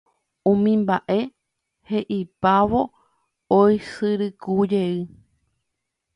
Umi mba'e he'ipávo oisyrykujey